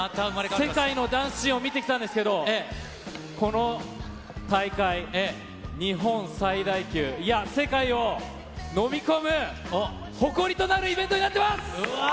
世界のダンスシーンを見てきたんですけど、この大会、日本最大級、いや、世界を飲み込む誇りとなるイベントになっています。